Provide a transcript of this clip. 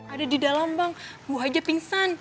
ada di dalam bang buah aja pingsan